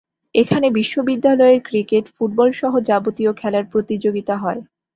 এখানে বিশ্ববিদ্যালয়ের ক্রিকেট, ফুটবলসহ যাবতীয় খেলার প্রতিযোগিতা হয়।